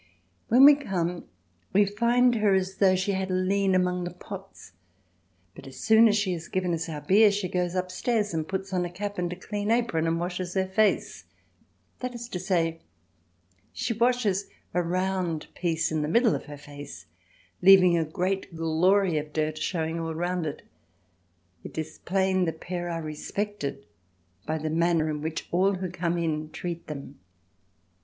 When we come we find her as though she had lien among the pots, but as soon as she has given us our beer, she goes upstairs and puts on a cap and a clean apron and washes her face—that is to say, she washes a round piece in the middle of her face, leaving a great glory of dirt showing all round it. It is plain the pair are respected by the manner in which all who come in treat them.